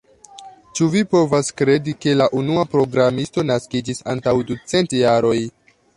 Ĉu vi povas kredi, ke la unua programisto naskiĝis antaŭ ducent jaroj?